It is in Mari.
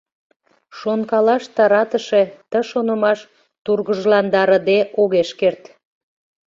— Шонкалаш таратыше ты шонымаш тургыжландарыде огеш керт.